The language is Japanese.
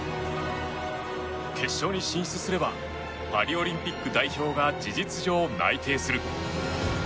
決勝に進出すればパリオリンピック出場が事実上、内定する。